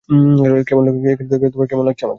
কেমন লাগছে আমাকে?